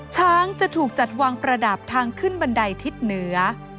ช้างจะถูกจัดวางประดับทางขึ้นบันไดทิศเหนือ